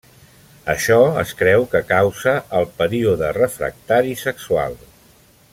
Això es creu que causa el període refractari sexual.